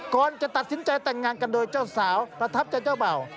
ก่อนจะตัดสินใจแต่งงานกันโดยเจ้าสาวประทับใจเจ้าเบ่า